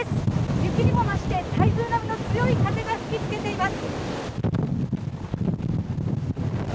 雪にもまして、台風並みの強い風が吹きつけています。